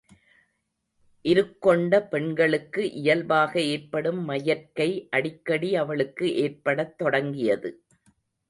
கருக்கொண்ட பெண்களுக்கு இயல்பாக ஏற்படும் மயற்கை அடிக்கடி அவளுக்கு ஏற்படத் தொடங்கியது.